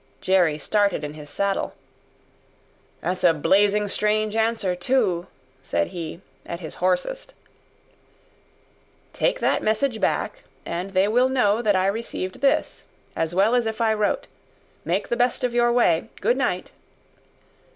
Jerry started in his saddle. "That's a Blazing strange answer, too," said he, at his hoarsest. "Take that message back, and they will know that I received this, as well as if I wrote. Make the best of your way. Good night."